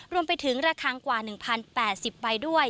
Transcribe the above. รวมไปถึงระคังกว่า๑๐๘๐ใบด้วย